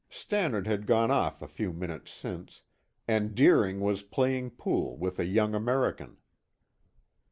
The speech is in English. Stannard had gone off a few minutes since, and Deering was playing pool with a young American.